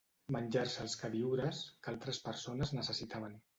Menjar-se els queviures que altres persones necessitaven